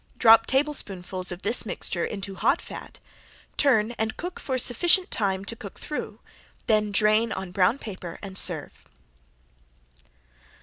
Drop tablespoonfuls of this mixture into hot fat, turn and cook for sufficient time to cook through, then drain on brown paper and serve.